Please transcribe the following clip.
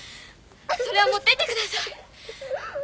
それは持ってってください！